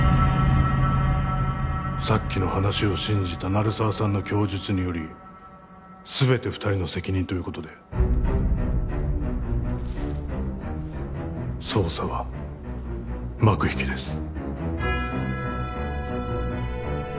さっきの話を信じた鳴沢さんの供述により全て二人の責任ということで捜査は幕引きです